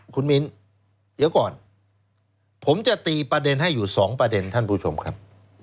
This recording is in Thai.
คุณมิ้นเดี๋ยวก่อนผมจะตีประเด็นให้อยู่๒ประเด็นท่านผู้ชมครับ